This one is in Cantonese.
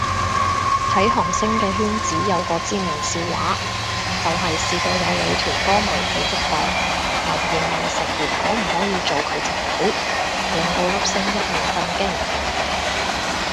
睇韓星嘅圈子有個知名笑話，就係試過有女團歌迷睇直播，留言問成員可唔可以做佢隻狗，令到粒星一面震驚